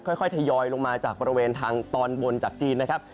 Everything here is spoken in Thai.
ค่อยทยอยลงมาจากบริเวณทางตอนบนจากจีนนะครับ